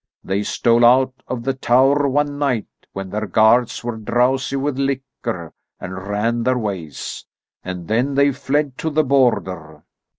They stole out of the tower one night, when their guards were drowsy with liquor, and ran their ways. And then they fled to the border.